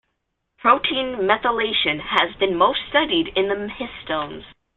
Protein methylation has been most studied in the histones.